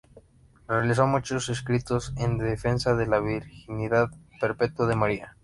Realizó muchos escritos en defensa de la virginidad perpetua de María.